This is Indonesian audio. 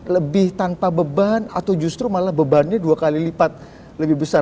lebih tanpa beban atau justru malah bebannya dua kali lipat lebih besar